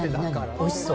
おいしそう。